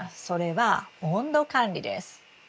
それは温度管理です。